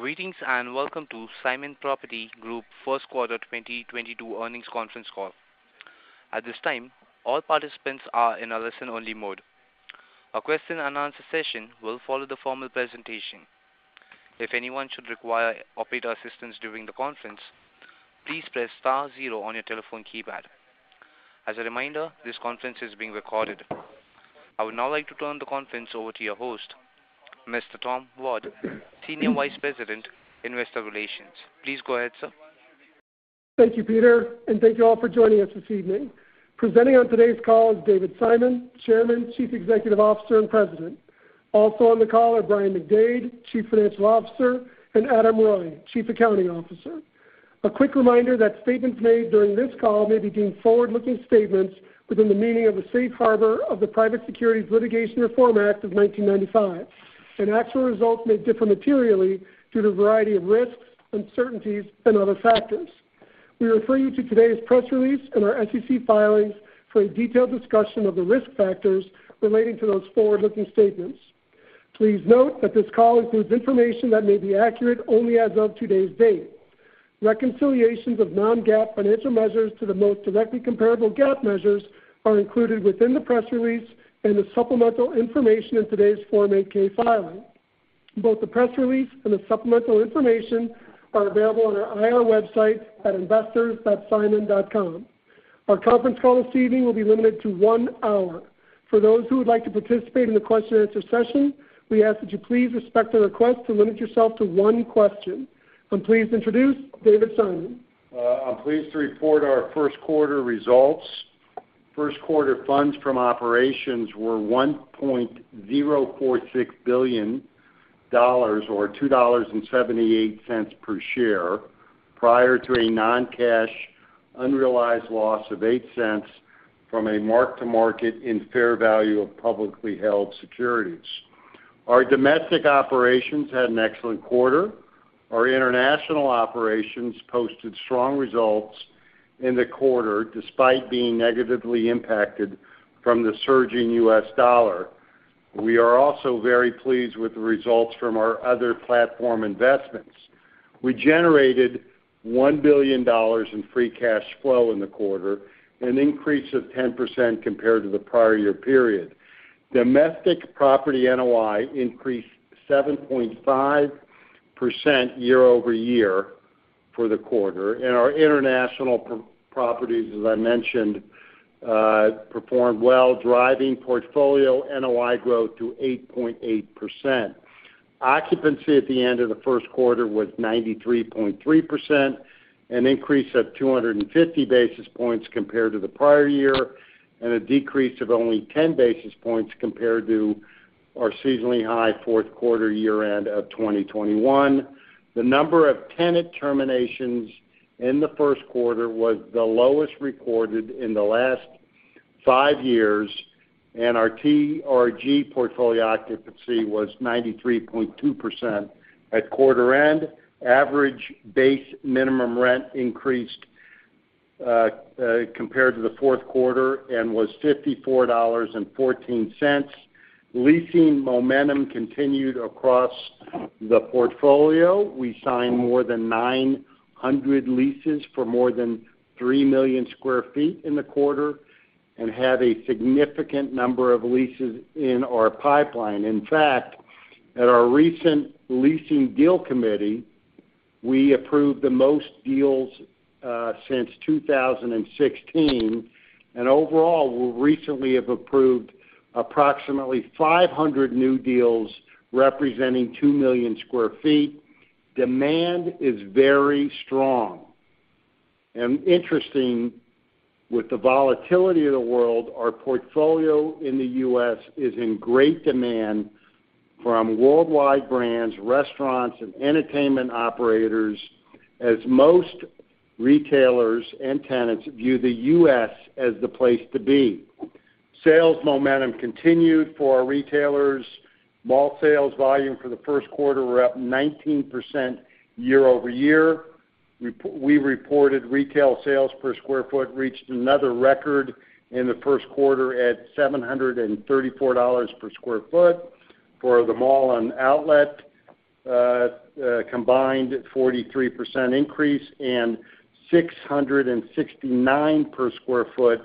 Greetings, and welcome to Simon Property Group First Quarter 2022 Earnings Conference Call. At this time, all participants are in a listen-only mode. A question-and-answer session will follow the formal presentation. If anyone should require operator assistance during the conference, please press star zero on your telephone keypad. As a reminder, this conference is being recorded. I would now like to turn the conference over to your host, Mr. Tom Ward, Senior Vice President, Investor Relations. Please go ahead, sir. Thank you, Peter, and thank you all for joining us this evening. Presenting on today's call is David Simon, Chairman, Chief Executive Officer, and President. Also on the call are Brian McDade, Chief Financial Officer, and Adam Reuille, Chief Accounting Officer. A quick reminder that statements made during this call may be deemed forward-looking statements within the meaning of a safe harbor of the Private Securities Litigation Reform Act of 1995, and actual results may differ materially due to a variety of risks, uncertainties, and other factors. We refer you to today's press release and our SEC filings for a detailed discussion of the risk factors relating to those forward-looking statements. Please note that this call includes information that may be accurate only as of today's date. Reconciliations of non-GAAP financial measures to the most directly comparable GAAP measures are included within the press release and the supplemental information in today's Form 8-K, filing. Both the press release and the supplemental information are available on our IR website at investors.simon.com. Our conference call this evening will be limited to one hour. For those who would like to participate in the question-and-answer session, we ask that you please respect the request to limit yourself to one question. I'm pleased to introduce David Simon. I'm pleased to report our first quarter results. First quarter funds from operations were $1.046 billion or $2.78 per share prior to a non-cash unrealized loss of $0.08 from a mark-to-market in fair value of publicly held securities. Our domestic operations had an excellent quarter. Our international operations posted strong results in the quarter despite being negatively impacted from the surging US dollar. We are also very pleased with the results from our other platform investments. We generated $1 billion in free cash flow in the quarter, an increase of 10% compared to the prior year period. Domestic property NOI increased 7.5% year-over-year for the quarter, and our international properties, as I mentioned, performed well, driving portfolio NOI growth to 8.8%. Occupancy at the end of the first quarter was 93.3%, an increase of 250 basis points compared to the prior year, and a decrease of only 10 basis points compared to our seasonally high fourth quarter year-end of 2021. The number of tenant terminations in the first quarter was the lowest recorded in the last five years, and our TRG portfolio occupancy was 93.2% at quarter end. Average base minimum rent increased compared to the fourth quarter and was $54.14. Leasing momentum continued across the portfolio. We signed more than 900 leases for more than 3 million sq ft in the quarter and have a significant number of leases in our pipeline. In fact, at our recent leasing deal committee, we approved the most deals since 2016. Overall, we recently have approved approximately 500 new deals representing 2 million sq ft. Demand is very strong. Interesting, with the volatility of the world, our portfolio in the US is in great demand from worldwide brands, restaurants, and entertainment operators, as most retailers and tenants view the US as the place to be. Sales momentum continued for our retailers. Mall sales volume for the first quarter were up 19% year-over-year. We reported retail sales per sq ft reached another record in the first quarter at $734 per sq ft for the mall and outlet combined, a 43% increase, and $669 per sq ft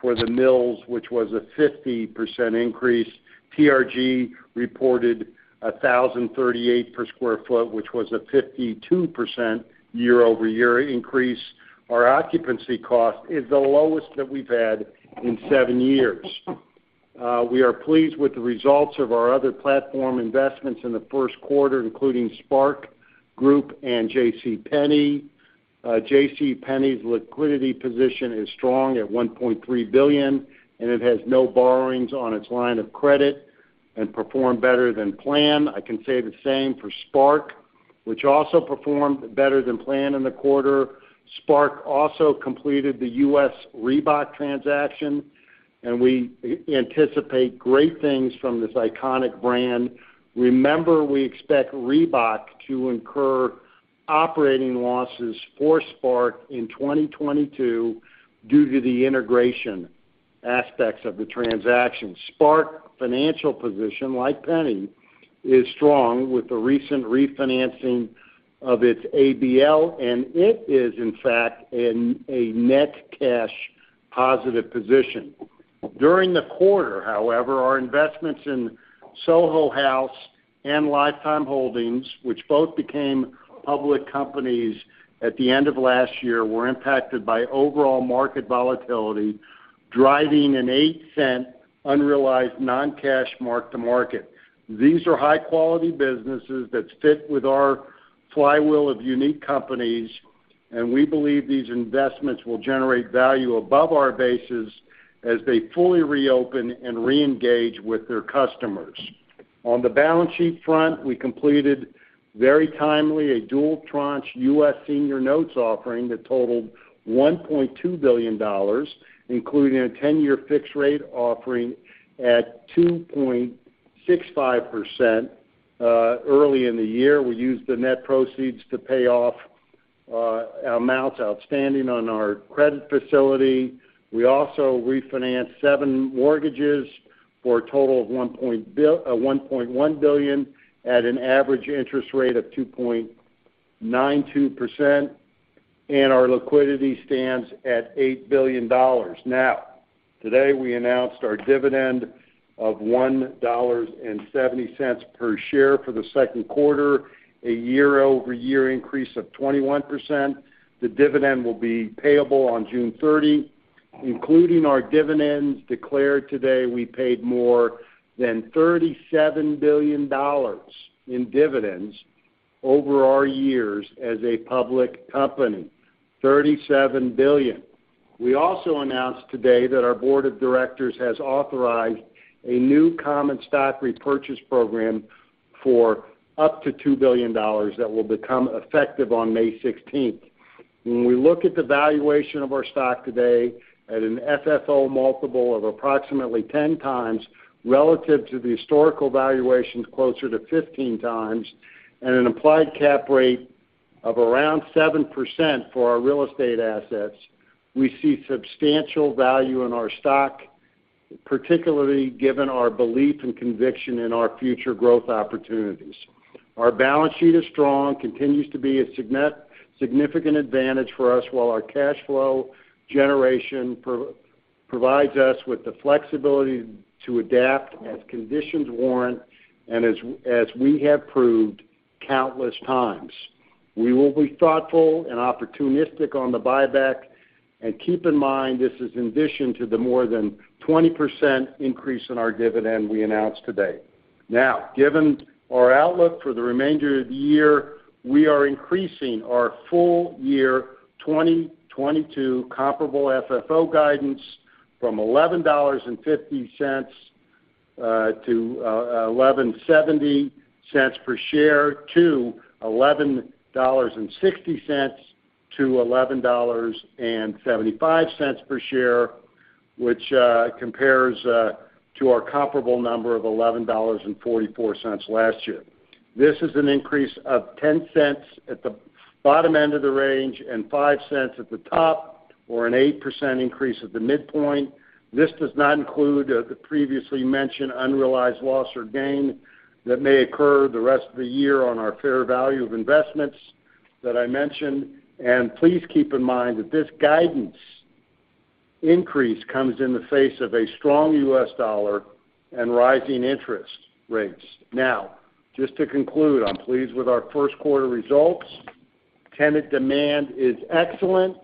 for the mills, which was a 50% increase. TRG reported $1,038 per sq ft, which was a 52% year-over-year increase. Our occupancy cost is the lowest that we've had in seven years. We are pleased with the results of our other platform investments in the first quarter, including SPARC Group and JCPenney. JCPenney's liquidity position is strong at $1.3 billion, and it has no borrowings on its line of credit and performed better than planned. I can say the same for SPARC, which also performed better than planned in the quarter. SPARC also completed the US Reebok transaction, and we anticipate great things from this iconic brand. Remember, we expect Reebok to incur operating losses for SPARC in 2022 due to the integration aspects of the transaction. SPARC financial position, like Penny, is strong with the recent refinancing of its ABL, and it is in fact in a net cash positive position. During the quarter, however, our investments in Soho House and Life Time Group Holdings, which both became public companies at the end of last year, were impacted by overall market volatility, driving an $0.08 unrealized non-cash mark-to-market. These are high quality businesses that fit with our flywheel of unique companies, and we believe these investments will generate value above our bases as they fully reopen and reengage with their customers. On the balance sheet front, we completed very timely a dual tranche U.S. senior notes offering that totaled $1.2 billion, including a 10-year fixed rate offering at 2.65%. Early in the year, we used the net proceeds to pay off amounts outstanding on our credit facility. We also refinanced sevenmortgages for a total of $1.1 billion at an average interest rate of 2.92%, and our liquidity stands at $8 billion. Today, we announced our dividend of $1.70 per share for the second quarter, a 21% year-over-year increase. The dividend will be payable on June 30, 2022. Including our dividends declared today, we paid more than $37 billion in dividends over our years as a public company, $37 billion. We also announced today that our board of directors has authorized a new common stock repurchase program for up to $2 billion that will become effective on May 16, 2022. When we look at the valuation of our stock today at an FFO multiple of approximately 10x relative to the historical valuations closer to 15x, and an implied cap rate of around 7% for our real estate assets, we see substantial value in our stock, particularly given our belief and conviction in our future growth opportunities. Our balance sheet is strong, continues to be a significant advantage for us, while our cash flow generation provides us with the flexibility to adapt as conditions warrant and as we have proved countless times. We will be thoughtful and opportunistic on the buyback. Keep in mind, this is in addition to the more than 20% increase in our dividend we announced today. Now, given our outlook for the remainder of the year, we are increasing our full year 2022 comparable FFO guidance from $11.50-$11.70 per share to $11.60-$11.75 per share, which compares to our comparable number of $11.44 last year. This is an increase of 10 cents at the bottom end of the range and five cents at the top, or an 8% increase at the midpoint. This does not include the previously mentioned unrealized loss or gain that may occur the rest of the year on our fair value of investments that I mentioned. Please keep in mind that this guidance increase comes in the face of a strong US dollar and rising interest rates. Now, just to conclude, I'm pleased with our first quarter results. Tenant demand is excellent,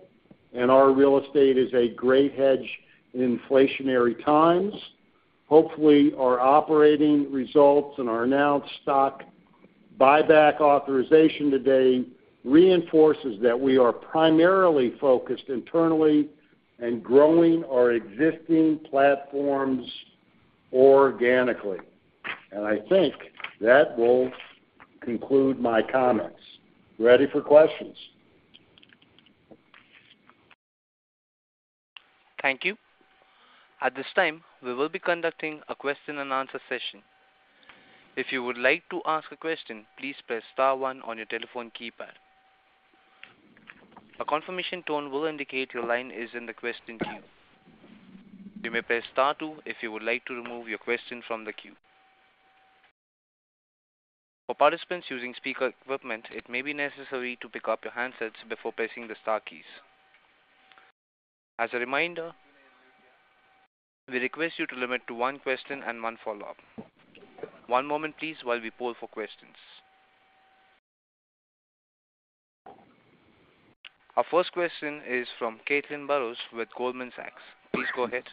and our real estate is a great hedge in inflationary times. Hopefully, our operating results and our announced stock buyback authorization today reinforces that we are primarily focused internally and growing our existing platforms organically. I think that will conclude my comments. Ready for questions. Thank you. At this time, we will be conducting a question and answer session. If you would like to ask a question, please press star one on your telephone keypad. A confirmation tone will indicate your line is in the question queue. You may press star two if you would like to remove your question from the queue. For participants using speaker equipment, it may be necessary to pick up your handsets before pressing the star keys. As a reminder, we request you to limit to one question and one follow-up. One moment please while we poll for questions. Our first question is from Caitlin Burrows with Goldman Sachs. Please go ahead.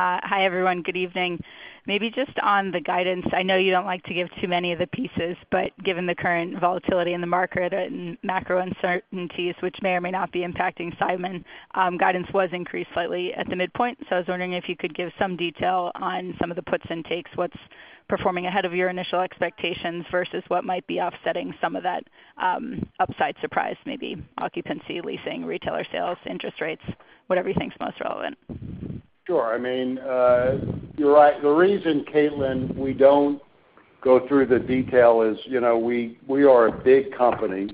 Hi, everyone. Good evening. Maybe just on the guidance, I know you don't like to give too many of the pieces, but given the current volatility in the market and macro uncertainties which may or may not be impacting Simon, guidance was increased slightly at the midpoint. I was wondering if you could give some detail on some of the puts and takes, what's performing ahead of your initial expectations versus what might be offsetting some of that, upside surprise, maybe occupancy, leasing, retailer sales, interest rates, whatever you think is most relevant. Sure. I mean, you're right. The reason, Caitlin, we don't go through the detail is, you know, we are a big company.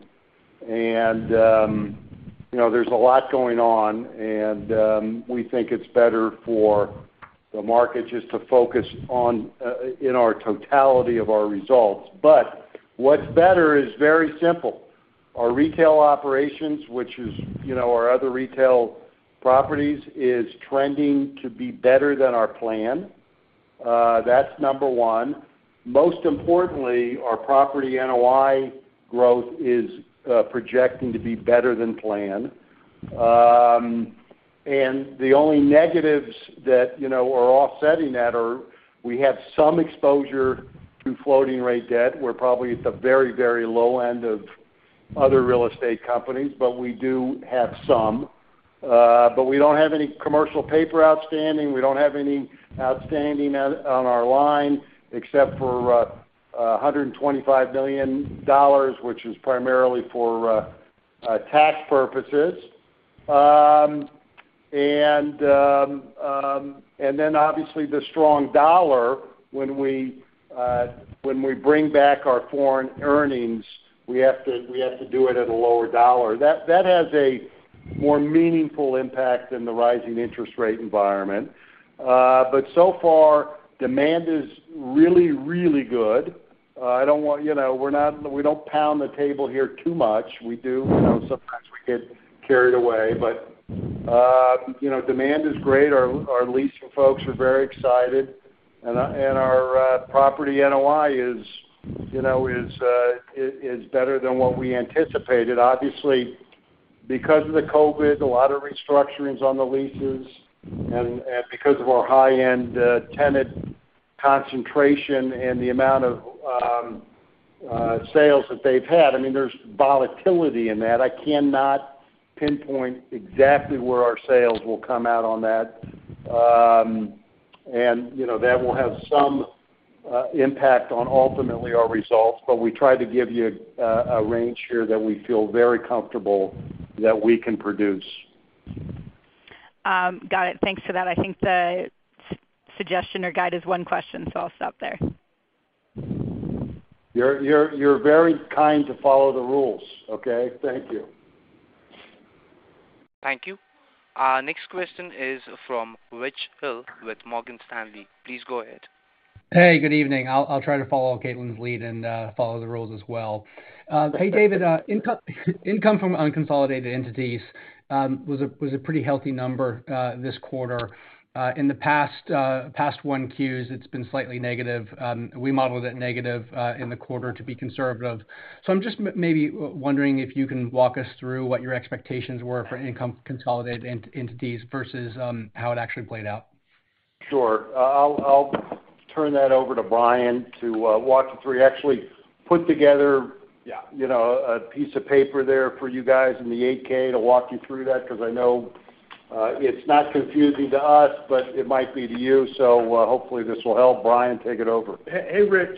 You know, there's a lot going on, and we think it's better for the market just to focus on in our totality of our results. What's better is very simple. Our retail operations, which is, you know, our other retail properties, is trending to be better than our plan. That's number one. Most importantly, our property NOI growth is projecting to be better than planned. The only negatives that, you know, are offsetting that are we have some exposure to floating rate debt. We're probably at the very, very low end of other real estate companies, but we do have some. We don't have any commercial paper outstanding. We don't have any outstanding on our line except for $125 million, which is primarily for tax purposes. Obviously the strong dollar when we bring back our foreign earnings, we have to do it at a lower dollar. That has a more meaningful impact than the rising interest rate environment. So far, demand is really good. You know, we don't pound the table here too much. We do, you know, sometimes we get carried away. You know, demand is great. Our leasing folks are very excited. Our property NOI is, you know, better than what we anticipated. Obviously, because of the COVID, a lot of restructurings on the leases and because of our high-end tenant concentration and the amount of sales that they've had, I mean, there's volatility in that. I cannot pinpoint exactly where our sales will come out on that. You know, that will have some impact on ultimately our results, but we try to give you a range here that we feel very comfortable that we can produce. Got it. Thanks for that. I think the suggestion or guide is one question, so I'll stop there. You're very kind to follow the rules. Okay. Thank you. Thank you. Our next question is from Rich Hill with Morgan Stanley. Please go ahead. Hey, good evening. I'll try to follow Caitlin's lead and follow the rules as well. Hey, David, income from unconsolidated entities was a pretty healthy number this quarter. In the past one Qs, it's been slightly negative. We modeled it negative in the quarter to be conservative. I'm just maybe wondering if you can walk us through what your expectations were for income consolidated entities versus how it actually played out. Sure. I'll turn that over to Brian to walk you through. He actually put together- Yeah You know, a piece of paper there for you guys in the 8-K, to walk you through that because I know, it's not confusing to us, but it might be to you. Hopefully this will help. Brian, take it over. Hey, hey, Rich.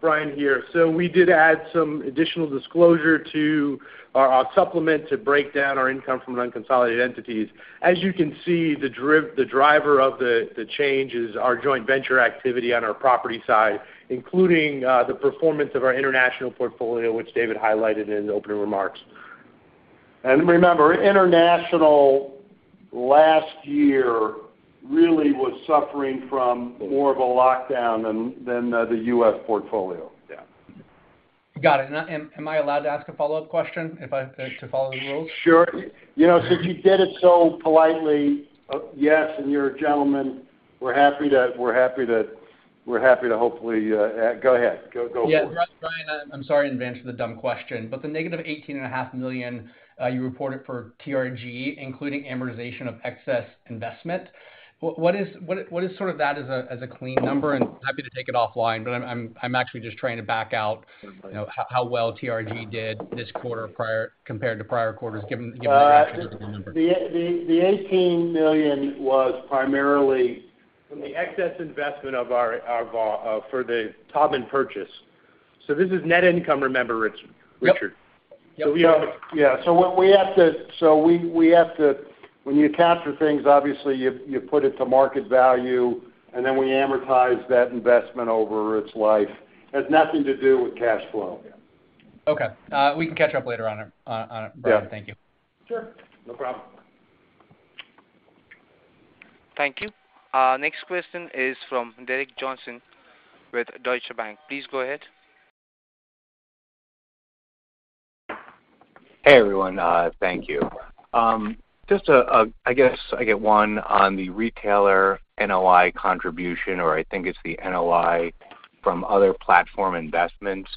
Brian here. We did add some additional disclosure to our supplement to break down our income from unconsolidated entities. As you can see, the driver of the change is our joint venture activity on our property side, including the performance of our international portfolio, which David highlighted in the opening remarks. Remember, international last year really was suffering from more of a lockdown than the U.S. portfolio. Yeah. Got it. Now am I allowed to ask a follow-up question to follow the rules? Sure. You know, since you did it so politely, yes, and you're a gentleman, we're happy to hopefully go ahead. Go for it. Yeah. Brian, I'm sorry in advance for the dumb question, but the -$18.5 million you reported for TRG, including amortization of excess investment, what is sort of that as a clean number? Happy to take it offline, but I'm actually just trying to back out, you know, how well TRG did this quarter compared to prior quarters given the action of the number. The $18 million was primarily- From the excess investment of our for the Taubman purchase. This is net income, remember, Rich- Yep. Richard. Yep. When you capture things, obviously, you put it to market value, and then we amortize that investment over its life. It has nothing to do with cash flow. Yeah. Okay. We can catch up later on it, Brian. Thank you. Sure. No problem. Thank you. Our next question is from Derek Johnston with Deutsche Bank. Please go ahead. Hey, everyone. Thank you. Just, I guess I get one on the retailer NOI contribution, or I think it's the NOI from other platform investments.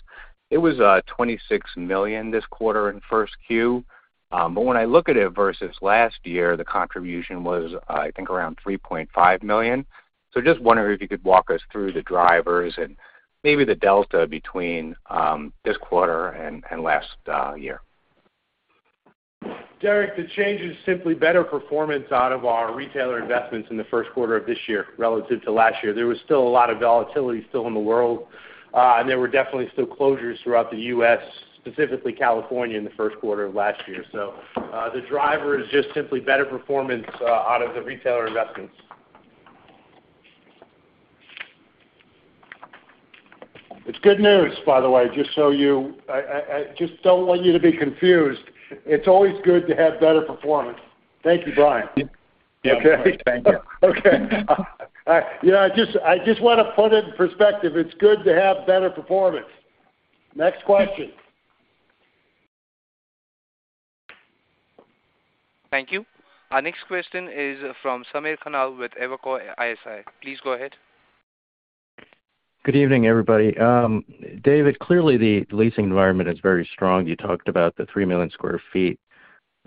It was $26 million this quarter in Q1. But when I look at it versus last year, the contribution was, I think around $3.5 million. Just wondering if you could walk us through the drivers and maybe the delta between this quarter and last year. Derek, the change is simply better performance out of our retailer investments in the first quarter of this year relative to last year. There was still a lot of volatility still in the world, and there were definitely still closures throughout the U.S., specifically California, in the first quarter of last year. The driver is just simply better performance out of the retailer investments. It's good news, by the way, just so you, I just don't want you to be confused. It's always good to have better performance. Thank you, Brian. Okay, thank you. Okay. All right. You know, I just wanna put it in perspective. It's good to have better performance. Next question. Thank you. Our next question is from Samir Khanal with Evercore ISI. Please go ahead. Good evening, everybody. David, clearly, the leasing environment is very strong. You talked about the 3 million sq ft.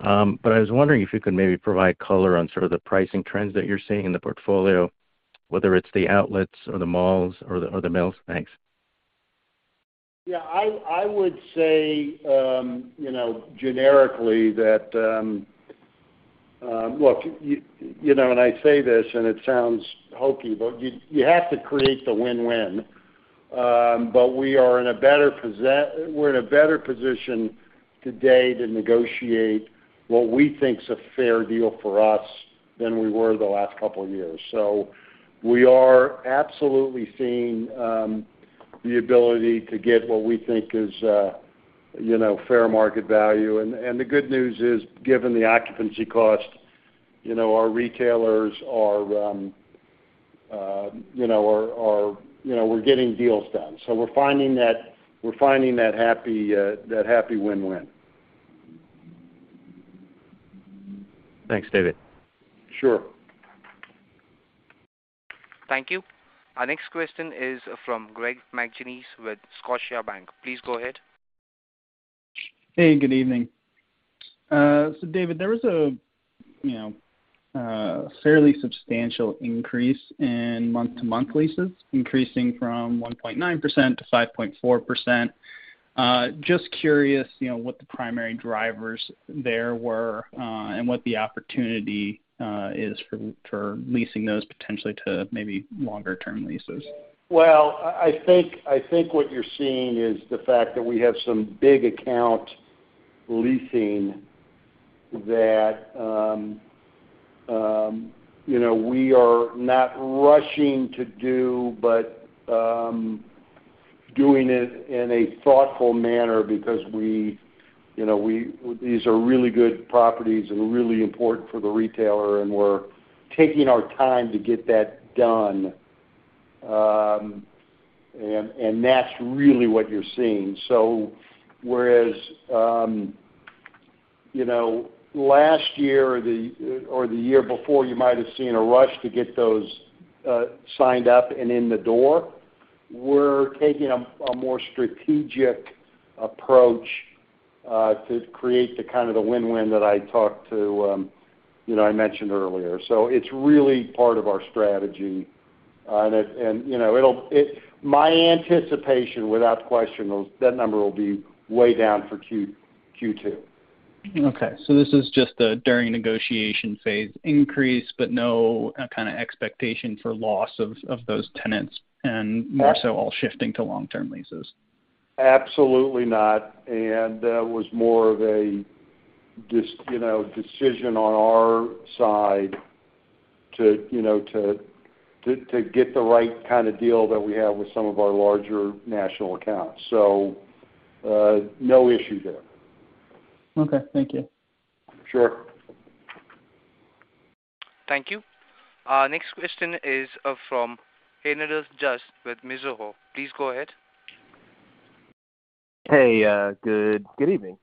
I was wondering if you could maybe provide color on sort of the pricing trends that you're seeing in the portfolio, whether it's the outlets or the malls or the mills. Thanks. Yeah, I would say, you know, generically that, look, you know, and I say this, and it sounds hokey, but you have to create the win-win. We are in a better position today to negotiate what we think is a fair deal for us than we were the last couple years. We are absolutely seeing the ability to get what we think is, you know, fair market value. The good news is, given the occupancy cost, you know, our retailers are, you know, we're getting deals done. We're finding that happy win-win. Thanks, David. Sure. Thank you. Our next question is from Greg McGinniss with Scotiabank. Please go ahead. Hey, good evening. David, there was, you know, a fairly substantial increase in month-to-month leases, increasing from 1.9% to 5.4%. Just curious, you know, what the primary drivers there were, and what the opportunity is for leasing those potentially to maybe longer term leases. Well, I think what you're seeing is the fact that we have some big account leasing that, you know, we are not rushing to do, but doing it in a thoughtful manner because, you know, these are really good properties and really important for the retailer, and we're taking our time to get that done, and that's really what you're seeing. Whereas, you know, last year or the year before, you might have seen a rush to get those signed up and in the door, we're taking a more strategic approach to create the kind of the win-win that I talked about, you know, I mentioned earlier. It's really part of our strategy. That, you know, my anticipation, without question, that number will be way down for Q2. Okay, this is just a during negotiation phase increase, but no kind of expectation for loss of those tenants and more so all shifting to long-term leases. Absolutely not. That was more of a decision on our side to, you know, get the right kind of deal that we have with some of our larger national accounts. No issue there. Okay, thank you. Sure. Thank you. Our next question is from Haendel St. Juste with Mizuho. Please go ahead. Hey, good evening.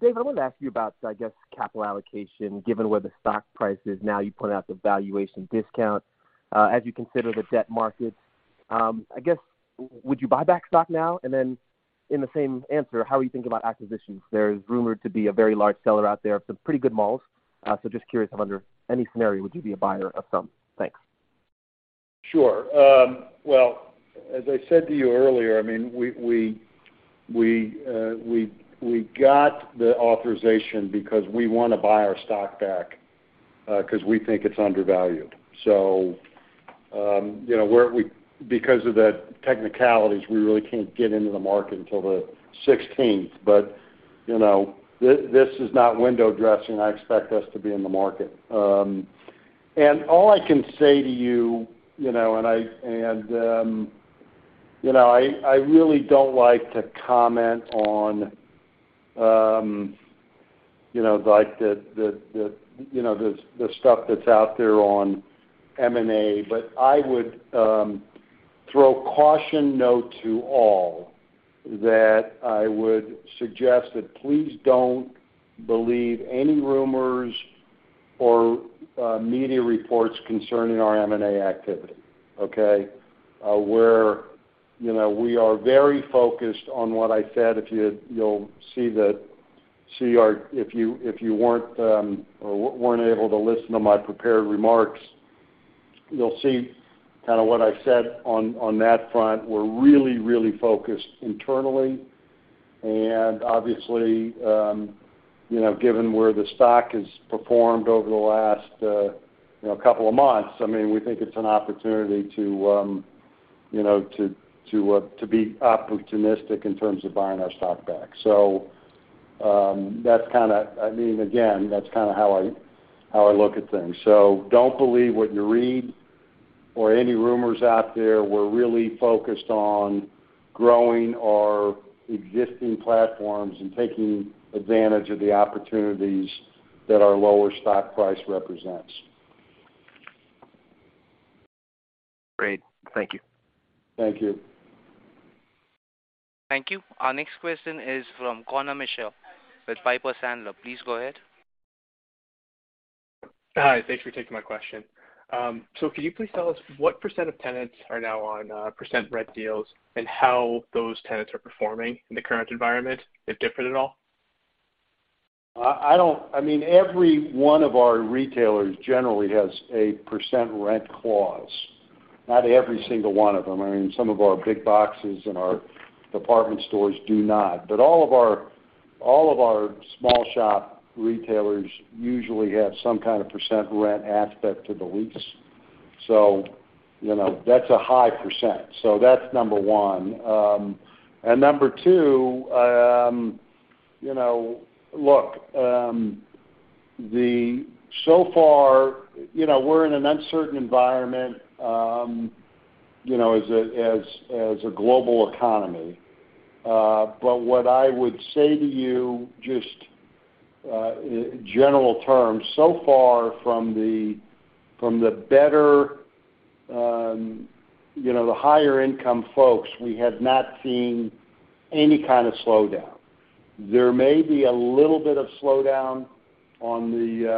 Dave, I wanted to ask you about, I guess, capital allocation, given where the stock price is now. You pointed out the valuation discount, as you consider the debt markets, I guess, would you buy back stock now? In the same answer, how are you thinking about acquisitions? There is rumored to be a very large seller out there of some pretty good malls. So just curious under any scenario, would you be a buyer of some? Thanks. Sure. Well, as I said to you earlier, I mean, we got the authorization because we wanna buy our stock back, 'cause we think it's undervalued. You know, because of the technicalities, we really can't get into the market until the sixteenth. You know, this is not window dressing. I expect us to be in the market. And all I can say to you know, and I really don't like to comment on, you know, like the stuff that's out there on M&A. I would throw caution note to all that I would suggest that please don't believe any rumors or media reports concerning our M&A activity, okay? We're, you know, we are very focused on what I said. If you weren't able to listen to my prepared remarks, you'll see kinda what I said on that front. We're really focused internally and obviously, you know, given where the stock has performed over the last, you know, couple of months, I mean, we think it's an opportunity to, you know, to be opportunistic in terms of buying our stock back. That's kinda how I look at things. Don't believe what you read or any rumors out there. We're really focused on growing our existing platforms and taking advantage of the opportunities that our lower stock price represents. Great. Thank you. Thank you. Thank you. Our next question is from Conor Mitchell with Piper Sandler. Please go ahead. Hi. Thanks for taking my question. Can you please tell us what % of tenants are now on % rent deals and how those tenants are performing in the current environment? They're different at all? I don't. I mean, every one of our retailers generally has a percent rent clause. Not every single one of them. I mean, some of our big boxes and our department stores do not. All of our small shop retailers usually have some kind of percent rent aspect to the lease. You know, that's a high percent. That's number one. Number two, you know, look, so far, we're in an uncertain environment, you know, as a global economy. What I would say to you just in general terms, so far from the better, you know, the higher income folks, we have not seen any kind of slowdown. There may be a little bit of slowdown on the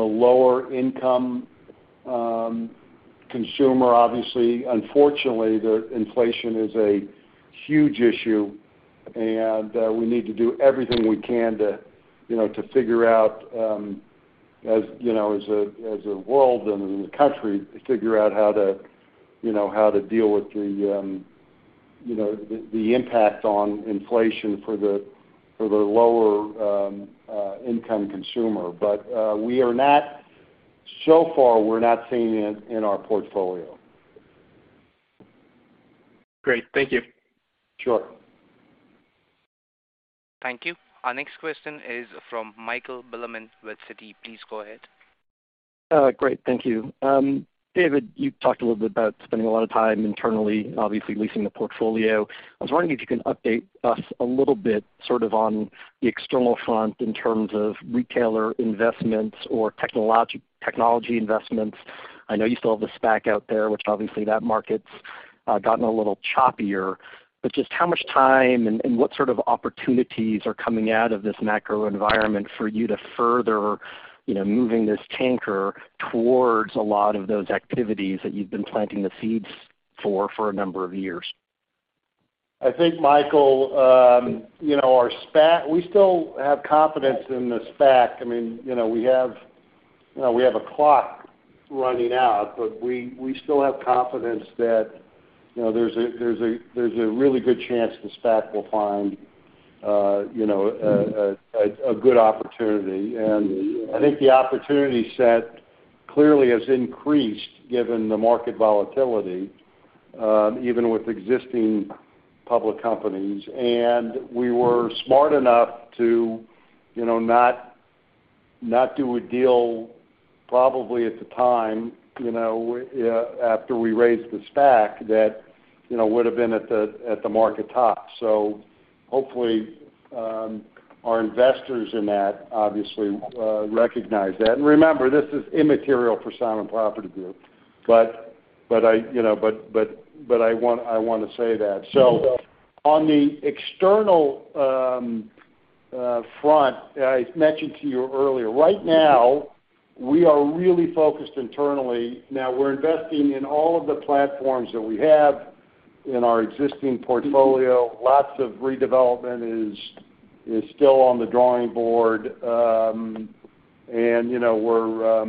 lower income consumer, obviously. Unfortunately, the inflation is a huge issue, and we need to do everything we can to you know to figure out as you know as a world and in the country to figure out how to you know how to deal with the you know the impact on inflation for the lower income consumer. So far, we're not seeing it in our portfolio. Great. Thank you. Sure. Thank you. Our next question is from Michael Bilerman with Citi. Please go ahead. Great. Thank you. David, you talked a little bit about spending a lot of time internally, obviously leasing the portfolio. I was wondering if you can update us a little bit, sort of on the external front in terms of retailer investments or technology investments. I know you still have the SPAC out there, which obviously that market's gotten a little choppier. Just how much time and what sort of opportunities are coming out of this macro environment for you to further, you know, moving this tanker towards a lot of those activities that you've been planting the seeds for a number of years? I think, Michael, you know, our SPAC, we still have confidence in the SPAC. I mean, you know, we have a clock running out, but we still have confidence that, you know, there's a really good chance the SPAC will find a good opportunity. I think the opportunity set clearly has increased given the market volatility, even with existing public companies. We were smart enough to, you know, not do a deal probably at the time, you know, after we raised the SPAC that, you know, would've been at the market top. Hopefully, our investors in that obviously recognize that. Remember, this is immaterial for Simon Property Group, but I want, I wanna say that. On the external front, I mentioned to you earlier. Right now, we are really focused internally. Now we're investing in all of the platforms that we have in our existing portfolio. Lots of redevelopment is still on the drawing board. You know, we're,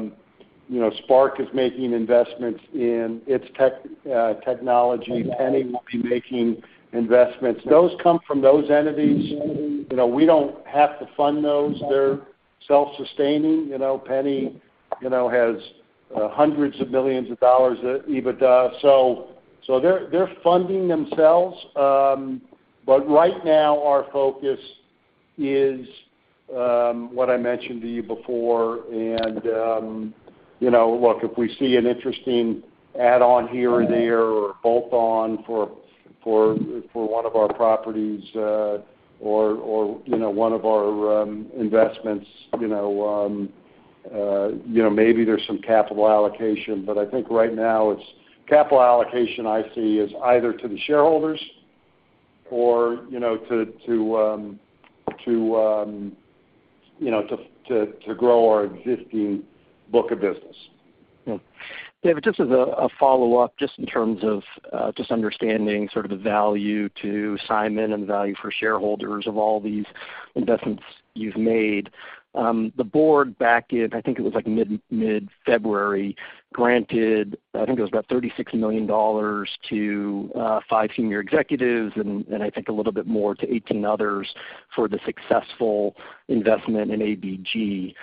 you know, SPARC is making investments in its technology. JCPenney will be making investments. Those come from those entities. You know, we don't have to fund those. They're self-sustaining. You know, JCPenney has hundreds of millions of dollars EBITDA. They're funding themselves. Right now our focus is what I mentioned to you before. You know, look, if we see an interesting add-on here or there or bolt-on for one of our properties, or you know, one of our investments, you know, maybe there's some capital allocation. I think right now it's capital allocation I see is either to the shareholders or, you know, to grow our existing book of business. Yeah. David, just as a follow-up, just in terms of just understanding sort of the value to Simon and the value for shareholders of all these investments you've made. The board back in, I think it was like mid-February, granted $36 million to 5 senior executives and I think a little bit more to 18 others for the successful investment in ABG.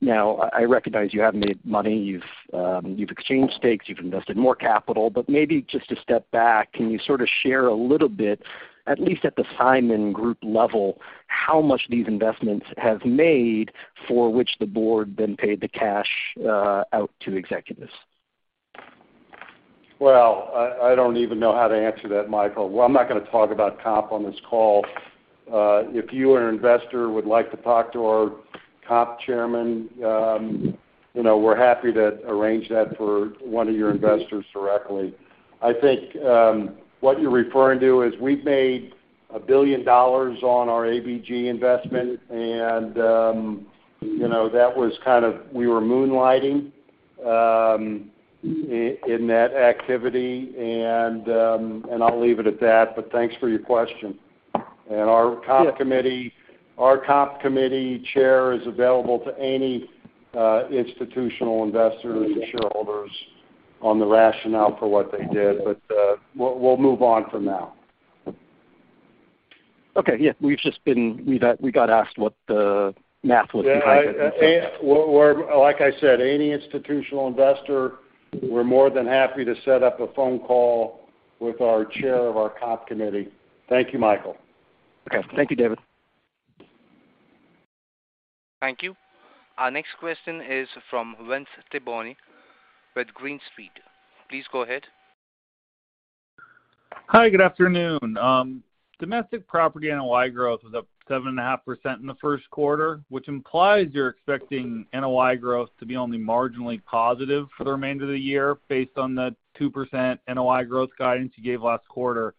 Now I recognize you have made money. You've you've exchanged stakes, you've invested more capital, but maybe just to step back, can you sort of share a little bit, at least at the Simon group level, how much these investments have made for which the board then paid the cash out to executives. Well, I don't even know how to answer that, Michael. Well, I'm not gonna talk about comp on this call. If you or an investor would like to talk to our comp chairman, you know, we're happy to arrange that for one of your investors directly. I think, what you're referring to is we've made $1 billion on our ABG investment, and, you know, that was kind of we were moonlighting, in that activity, and I'll leave it at that, but thanks for your question. Yeah. Our comp committee chair is available to any institutional investors or shareholders on the rationale for what they did. We'll move on from that. Okay. Yeah, we got asked what the math was behind it. Like I said, any institutional investor, we're more than happy to set up a phone call with our chair of our comp committee. Thank you, Michael. Okay. Thank you, David. Thank you. Our next question is from Vince Tiboni with Green Street. Please go ahead. Hi, good afternoon. Domestic property NOI growth was up 7.5% in the first quarter, which implies you're expecting NOI growth to be only marginally positive for the remainder of the year based on the 2% NOI growth guidance you gave last quarter.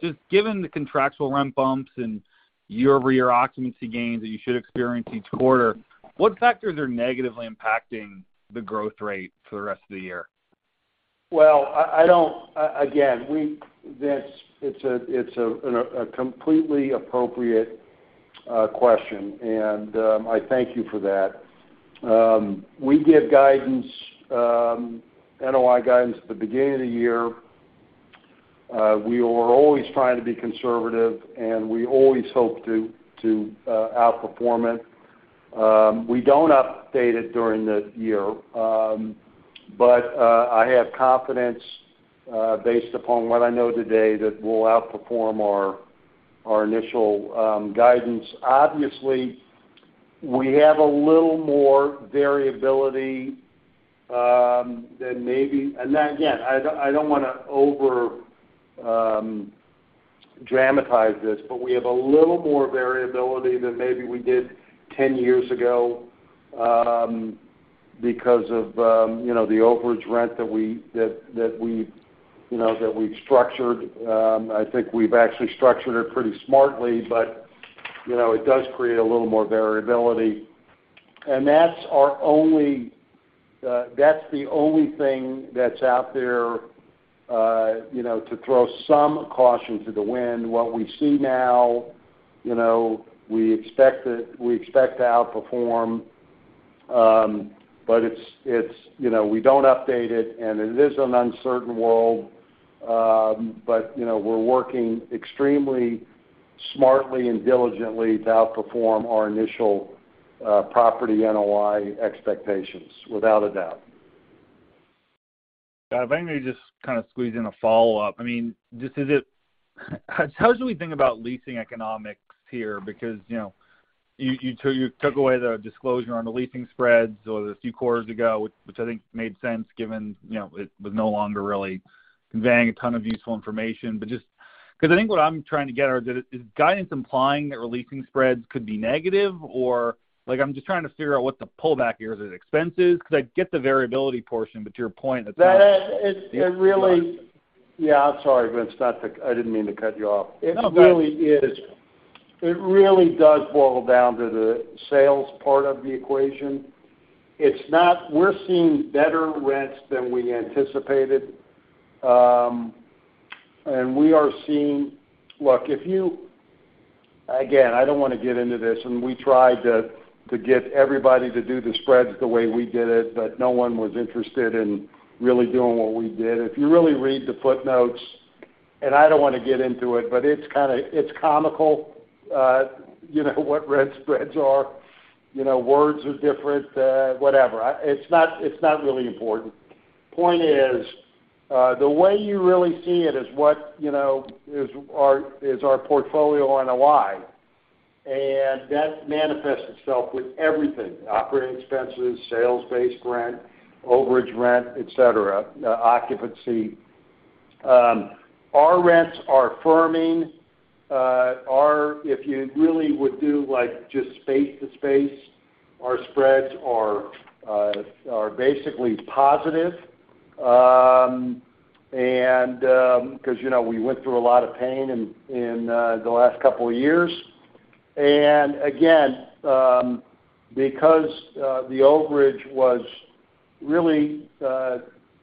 Just given the contractual rent bumps and year-over-year occupancy gains that you should experience each quarter, what factors are negatively impacting the growth rate for the rest of the year? Well, again, Vince, it's a completely appropriate question, and I thank you for that. We give guidance, NOI guidance at the beginning of the year. We are always trying to be conservative, and we always hope to outperform it. We don't update it during the year, but I have confidence, based upon what I know today, that we'll outperform our initial guidance. Obviously, we have a little more variability than maybe. Again, I don't wanna overdramatize this, but we have a little more variability than maybe we did 10 years ago, because of you know, the overage rent that we've, you know, structured. I think we've actually structured it pretty smartly, but, you know, it does create a little more variability. That's the only thing that's out there, you know, to throw some caution to the wind. What we see now, you know, we expect to outperform, but it's, you know, we don't update it, and it is an uncertain world. You know, we're working extremely smartly and diligently to outperform our initial property NOI expectations, without a doubt. If I may just kinda squeeze in a follow-up. I mean, just is it? How should we think about leasing economics here? Because, you know, you took away the disclosure on the leasing spreads a few quarters ago, which I think made sense given, you know, it was no longer really conveying a ton of useful information. But just 'cause I think what I'm trying to get at is guidance implying that releasing spreads could be negative, or like I'm just trying to figure out what the pullback here is. Is it expenses? 'Cause I get the variability portion, but to your point, it's not. That it really- Yeah. Yeah, I'm sorry, Vince. I didn't mean to cut you off. No, go ahead. It really is. It really does boil down to the sales part of the equation. We're seeing better rents than we anticipated. Look, again, I don't wanna get into this, and we tried to get everybody to do the spreads the way we did it, but no one was interested in really doing what we did. If you really read the footnotes, and I don't wanna get into it, but it's kinda comical, you know, what rent spreads are. You know, words are different, whatever. It's not really important. Point is, the way you really see it is what you know is our portfolio NOI, and that manifests itself with everything, operating expenses, sales-based rent, overage rent, et cetera, occupancy. Our rents are firming. If you really would do like just space to space, our spreads are basically positive. 'Cause, you know, we went through a lot of pain in the last couple of years. Again, because the overage was really,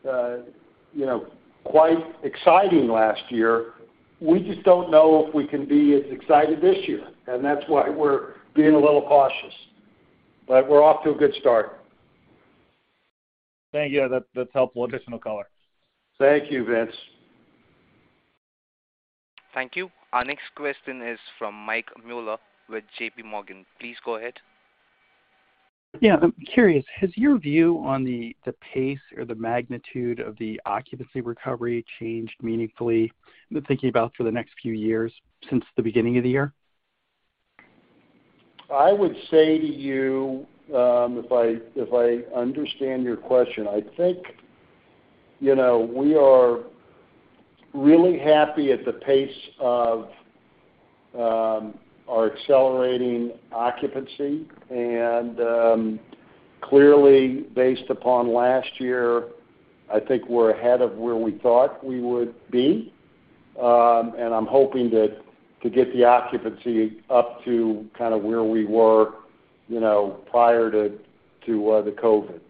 you know, quite exciting last year, we just don't know if we can be as excited this year, and that's why we're being a little cautious. We're off to a good start. Thank you. That's helpful additional color. Thank you, Vince. Thank you. Our next question is from Mike Mueller with JPMorgan. Please go ahead. Yeah. I'm curious, has your view on the pace or the magnitude of the occupancy recovery changed meaningfully? I'm thinking about for the next few years since the beginning of the year? I would say to you, if I understand your question, I think, you know, we are really happy at the pace of our accelerating occupancy. Clearly, based upon last year, I think we're ahead of where we thought we would be. I'm hoping to get the occupancy up to kind of where we were, you know, prior to the COVID.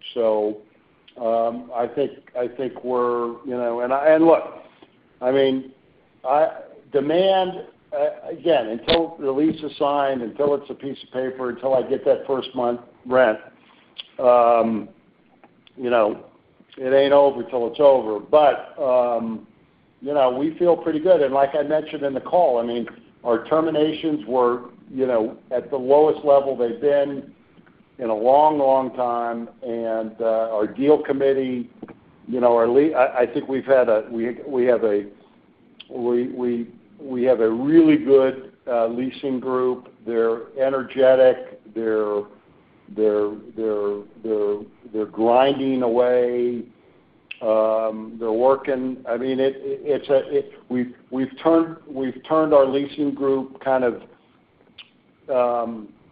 I think we're you know, look, I mean, demand again, until the lease is signed, until it's a piece of paper, until I get that first month rent, you know, it ain't over till it's over. You know, we feel pretty good. Like I mentioned in the call, I mean, our terminations were, you know, at the lowest level they've been in a long, long time. Our deal committee, you know, I think we have a really good leasing group. They're energetic. They're grinding away. They're working. I mean, we've turned our leasing group kind of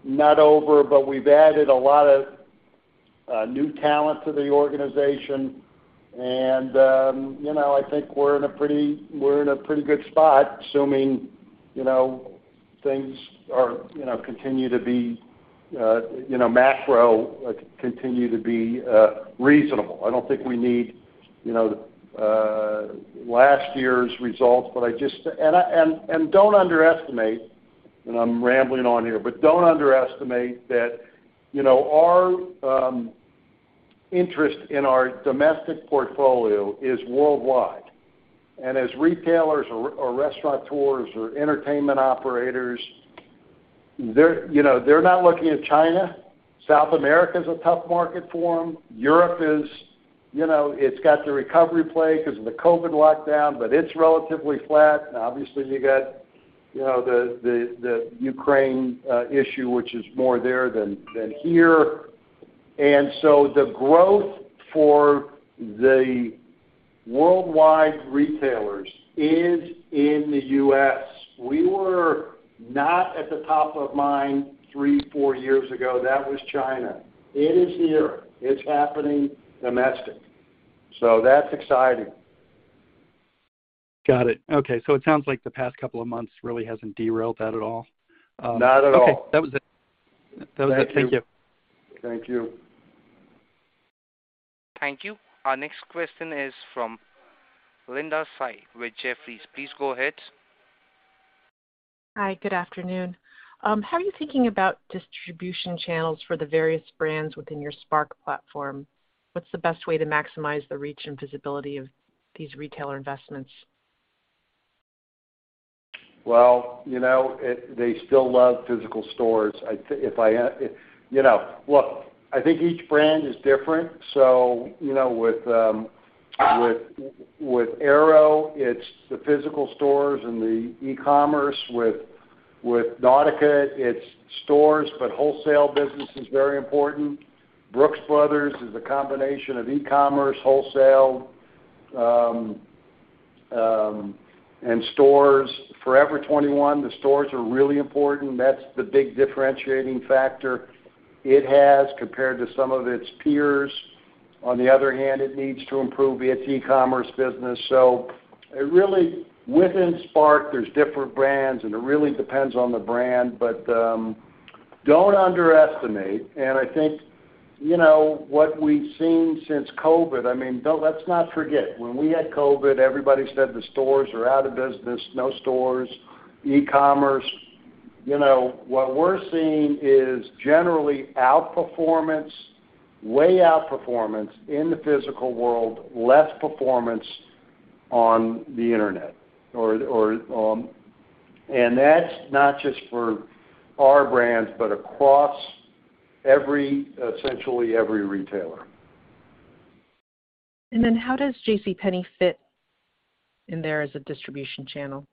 not over, but we've added a lot of new talent to the organization and, you know, I think we're in a pretty good spot assuming, you know, things continue to be, you know, macro continue to be reasonable. I don't think we need, you know, last year's results, but don't underestimate, and I'm rambling on here, but don't underestimate that, you know, our interest in our domestic portfolio is worldwide. As retailers or restaurateurs or entertainment operators, you know, they're not looking at China. South America is a tough market for them. Europe is, you know, it's got the recovery play because of the COVID lockdown, but it's relatively flat. Obviously, you got, you know, the Ukraine issue, which is more there than here. The growth for the worldwide retailers is in the U.S. We were not at the top of mind three, four years ago. That was China. It is here. It's happening domestic. That's exciting. Got it. Okay. It sounds like the past couple of months really hasn't derailed that at all. Not at all. Okay. That was it. Thank you. That was it. Thank you. Thank you. Thank you. Our next question is from Linda Tsai with Jefferies. Please go ahead. Hi, good afternoon. How are you thinking about distribution channels for the various brands within your SPARC platform? What's the best way to maximize the reach and visibility of these retailer investments? Well, you know, they still love physical stores. I think each brand is different. You know, look, with Aéropostale, it's the physical stores and the e-commerce. With Nautica, it's stores, but wholesale business is very important. Brooks Brothers is a combination of e-commerce, wholesale, and stores. Forever 21, 2022, the stores are really important. That's the big differentiating factor it has compared to some of its peers. On the other hand, it needs to improve its e-commerce business. It really within SPARC, there's different brands, and it really depends on the brand. Don't underestimate, and I think, you know, what we've seen since COVID. I mean, let's not forget, when we had COVID, everybody said the stores are out of business, no stores, e-commerce. You know, what we're seeing is generally outperformance, way outperformance in the physical world, less performance on the internet. That's not just for our brands, but across every, essentially every retailer. How does JCPenney fit in there as a distribution channel?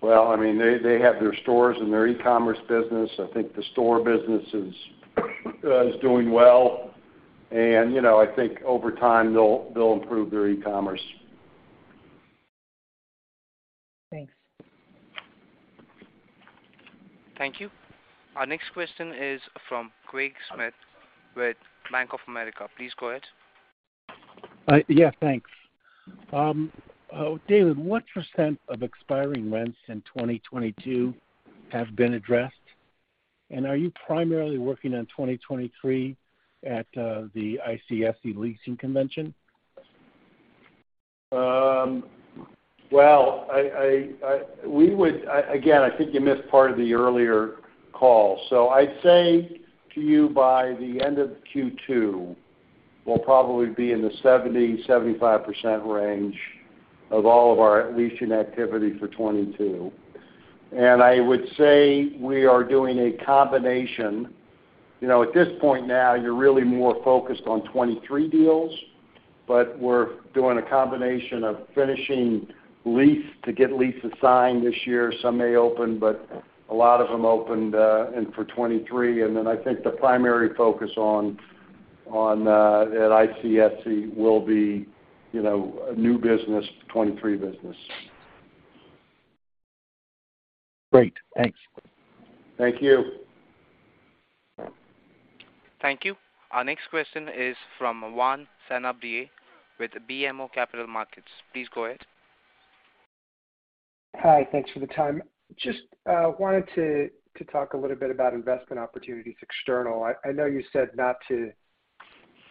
Well, I mean, they have their stores and their e-commerce business. I think the store business is doing well. You know, I think over time, they'll improve their e-commerce. Thanks. Thank you. Our next question is from Craig Smith with Bank of America. Please go ahead. Yeah, thanks. David, what % of expiring rents in 2022 have been addressed? Are you primarily working on 2023 at the ICSC Leasing Convention? Again, I think you missed part of the earlier call. I'd say to you by the end of Q2 will probably be in the 75% range of all of our leasing activity for 2022. I would say we are doing a combination. You know, at this point now, you're really more focused on 2023 deals, but we're doing a combination of finishing leases to get leases signed this year. Some may open, but a lot of them open in 2023. I think the primary focus at ICSC will be new business, 2023 business. Great. Thanks. Thank you. Thank you. Our next question is from Juan Sanabria with BMO Capital Markets. Please go ahead. Hi. Thanks for the time. Just wanted to talk a little bit about investment opportunities external. I know you said not to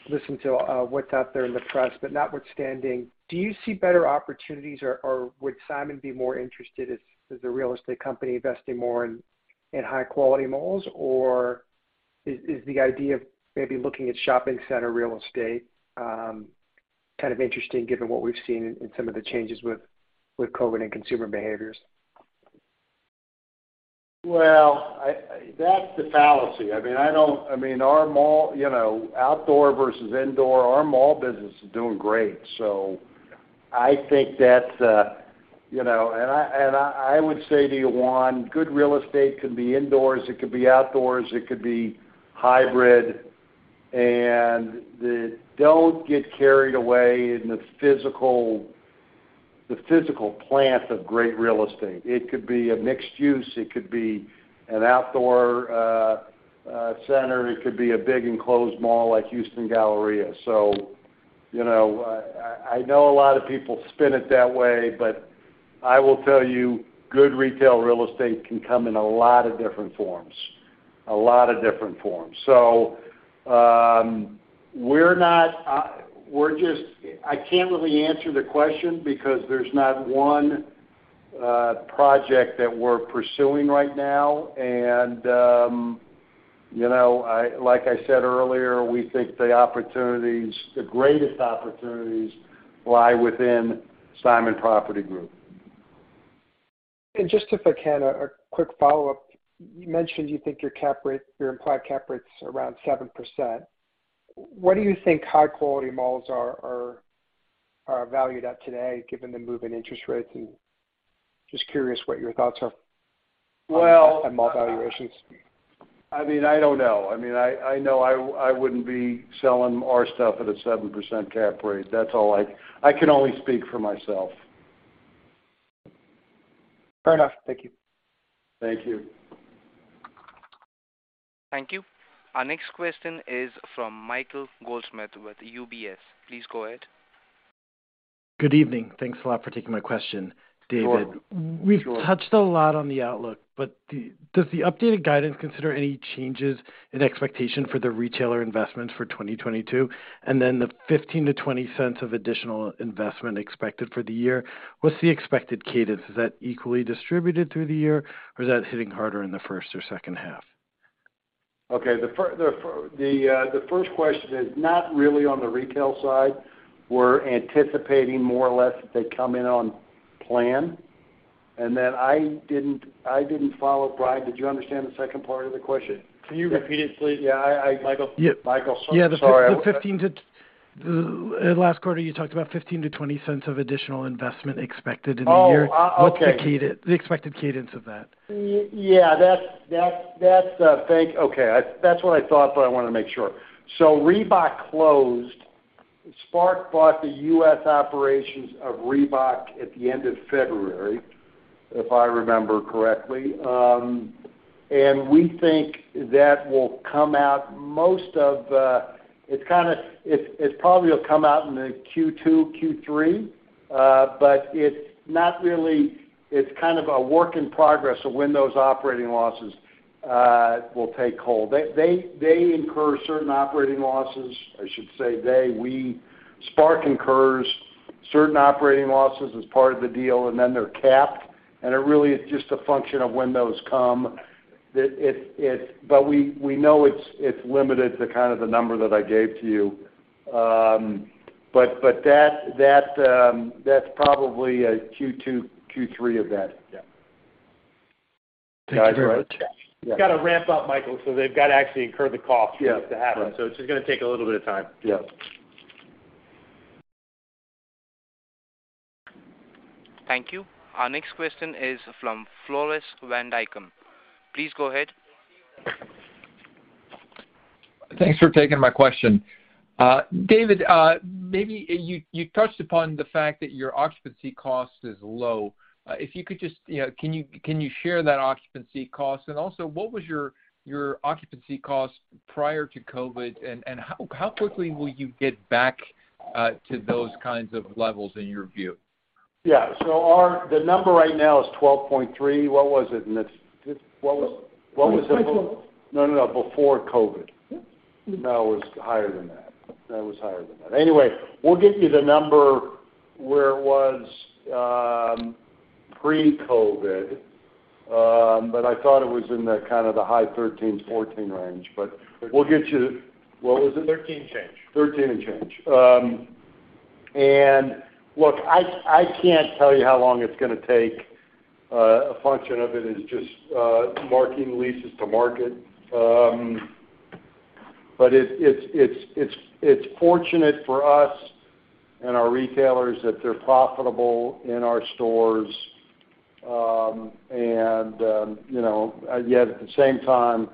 listen to what's out there in the press, but notwithstanding, do you see better opportunities or would Simon be more interested as a real estate company investing more in high quality malls? Is the idea of maybe looking at shopping center real estate kind of interesting given what we've seen in some of the changes with COVID and consumer behaviors? Well, that's the fallacy. I mean, our mall, you know, outdoor versus indoor, our mall business is doing great. I think that I would say to you, Juan, good real estate could be indoors, it could be outdoors, it could be hybrid. Don't get carried away in the physical plant of great real estate. It could be a mixed use. It could be an outdoor center. It could be a big enclosed mall like Houston Galleria. You know, I know a lot of people spin it that way, but I will tell you, good retail real estate can come in a lot of different forms. We're just... I can't really answer the question because there's not one project that we're pursuing right now. You know, like I said earlier, we think the opportunities, the greatest opportunities lie within Simon Property Group. Just if I can, a quick follow-up. You mentioned you think your cap rate, your implied cap rate's around 7%. What do you think high quality malls are valued at today given the move in interest rates and just curious what your thoughts are? Well- On mall valuations. I mean, I don't know. I mean, I know I wouldn't be selling our stuff at a 7% cap rate. That's all I. I can only speak for myself. Fair enough. Thank you. Thank you. Thank you. Our next question is from Michael Goldsmith with UBS. Please go ahead. Good evening. Thanks a lot for taking my question. Sure. David, we've touched a lot on the outlook, but does the updated guidance consider any changes in expectation for the retailer investments for 2022? Then the $0.15-$0.20 of additional investment expected for the year, what's the expected cadence? Is that equally distributed through the year, or is that hitting harder in the first or second half? Okay. The first question is not really on the retail side. We're anticipating more or less that they come in on plan. I didn't follow. Brian, did you understand the second part of the question? Can you repeat it, please, Michael? Yeah, I Michael, sorry. Yeah. Last quarter, you talked about $0.15-$0.20 of additional investment expected in a year. Oh, okay. What's the cadence, the expected cadence of that? Yeah, that's, thank you. Okay. That's what I thought, but I wanna make sure. Reebok closed. SPARC bought the U.S. operations of Reebok at the end of February, if I remember correctly. We think that will come out most of. It probably will come out in the Q2, Q3, but it's not really. It's kind of a work in progress of when those operating losses will take hold. They incur certain operating losses, I should say they, we. SPARC incurs certain operating losses as part of the deal, and then they're capped, and it really is just a function of when those come. But we know it's limited to kind of the number that I gave to you. But that's probably a Q2, Q3 event. Yeah. Thank you very much. All right. Yeah. It's got to ramp up, Michael, so they've got to actually incur the cost for this to happen. Yeah. It's just gonna take a little bit of time. Yeah. Thank you. Our next question is from Floris Van Dijck. Please go ahead. Thanks for taking my question. David, maybe you touched upon the fact that your occupancy cost is low. If you could just, you know, can you share that occupancy cost? And also, what was your occupancy cost prior to COVID? And how quickly will you get back to those kinds of levels in your view? Yeah. The number right now is 12.3. What was it? 12.1. No, no. Before COVID. Yeah. No, it was higher than that. Anyway, we'll get you the number where it was, pre-COVID, but I thought it was in the kind of high 13s-14 range. We'll get you. What was it? 13 change. 13 and change. Look, I can't tell you how long it's gonna take. A function of it is just marking leases to market. It's fortunate for us and our retailers that they're profitable in our stores, and you know, yet at the same time,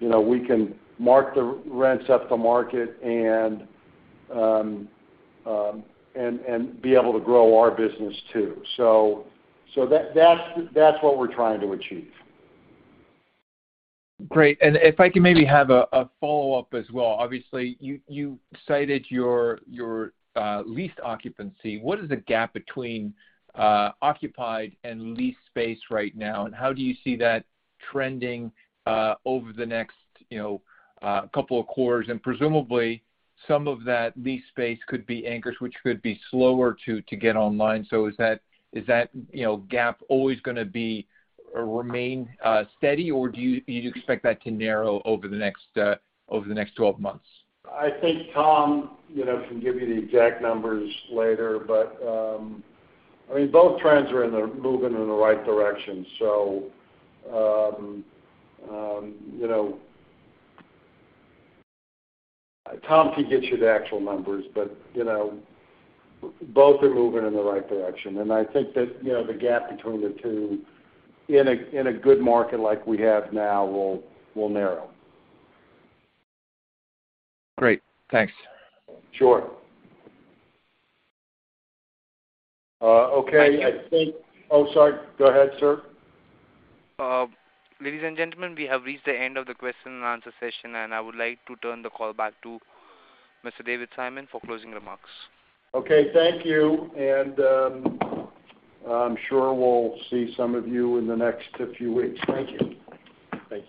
you know, we can mark the rents up to market and be able to grow our business too. That's what we're trying to achieve. Great. If I could maybe have a follow-up as well. Obviously, you cited your lease occupancy. What is the gap between occupied and leased space right now? How do you see that trending over the next, you know, couple of quarters? Presumably, some of that leased space could be anchors, which could be slower to get online. Is that gap, you know, always gonna be or remain steady, or do you expect that to narrow over the next twelve months? I think Tom, you know, can give you the exact numbers later, but I mean both trends are moving in the right direction. You know, Tom can get you the actual numbers, but you know, both are moving in the right direction. I think that, you know, the gap between the two in a good market like we have now will narrow. Great. Thanks. Sure. Okay. I think. Ladies and gentlemen. Oh, sorry. Go ahead, sir. Ladies and gentlemen, we have reached the end of the question and answer session, and I would like to turn the call back to Mr. David Simon for closing remarks. Okay, thank you, and I'm sure we'll see some of you in the next few weeks. Thank you. Thank you.